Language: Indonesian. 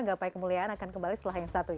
gapai kemuliaan akan kembali setelah yang satu ini